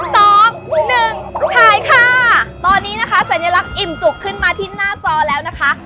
สองหนึ่งถ่ายค่ะตอนนี้นะคะสัญลักษณ์อิ่มจุกขึ้นมาที่หน้าจอแล้วนะคะ